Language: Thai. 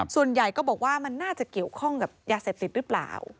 ส่วนใหญ่ก็บอกว่ามันน่าจะเกี่ยวข้องกับยาเสพติดหรือเปล่า